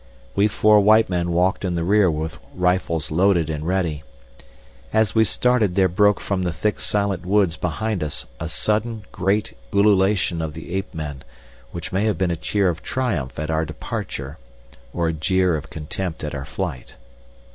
We four white men walked in the rear with rifles loaded and ready. As we started there broke from the thick silent woods behind us a sudden great ululation of the ape men, which may have been a cheer of triumph at our departure or a jeer of contempt at our flight.